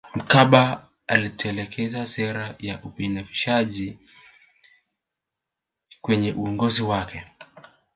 mkapa alitekeleza sera ya ubinafishaji kwenye uongozi wake